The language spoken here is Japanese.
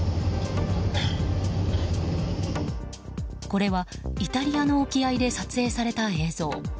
これは、イタリアの沖合で撮影された映像。